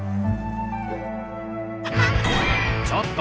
ちょっと！